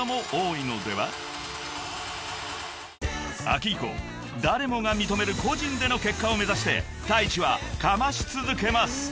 ［秋以降誰もが認める個人での結果を目指してＴａｉｃｈｉはかまし続けます］